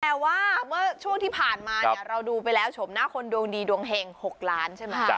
แหม้ว่าช่วงที่ผ่านมาเราดูไปแล้วชมหน้าคนดวงดีดวงเห็ง๖ล้าน